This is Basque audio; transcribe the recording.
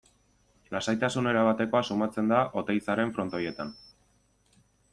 Lasaitasun erabatekoa sumatzen da Oteizaren Frontoietan.